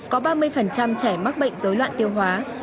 có ba mươi trẻ mắc bệnh dối loạn tiêu hóa